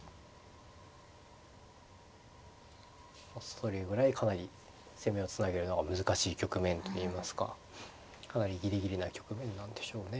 それぐらいかなり攻めをつなげるのが難しい局面といいますかかなりギリギリな局面なんでしょうね。